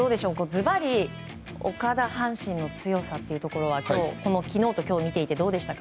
ずばり岡田阪神の強さは昨日と今日見ていてどうでしたか？